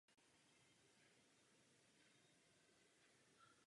Veškeré živiny sbírají tyto rostliny ze vzdušné vlhkosti.